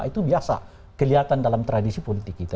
itu biasa kelihatan dalam tradisi politik kita